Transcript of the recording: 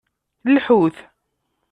Lḥut.